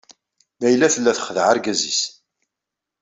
Layla tella txeddeɛ argaz-is.